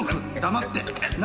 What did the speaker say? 黙ってな？